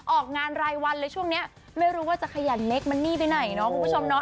ออกงานรายวันเลยช่วงนี้ไม่รู้ว่าจะขยันเล็กมันนี่ไปไหนเนาะคุณผู้ชมเนาะ